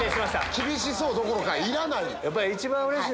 厳しそうどころかいらない！